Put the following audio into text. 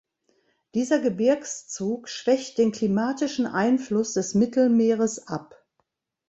Dieser Gebirgszug schwächt den klimatischen Einfluss des Mittelmeeres ab.